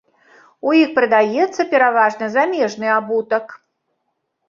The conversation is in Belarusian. У іх прадаецца пераважна замежны абутак.